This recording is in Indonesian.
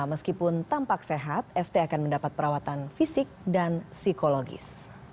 meskipun tampak sehat ft akan mendapat perawatan fisik dan psikologis